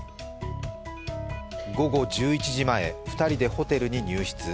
午後１１時前、２人でホテルに入室。